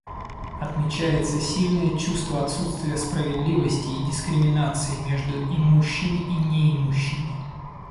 Отмечается сильное чувство отсутствия справедливости и дискриминации между имущими и неимущими.